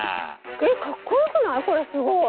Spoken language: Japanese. えっかっこよくない？